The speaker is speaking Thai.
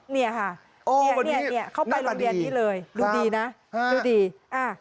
นี่ค่ะเข้าไปโรงเรียนนี้เลยดูดีนะดูดีโอ้วันนี้น่ากลัวดีครับ